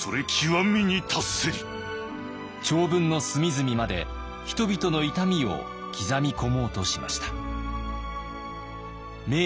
長文の隅々まで人々の痛みを刻み込もうとしました。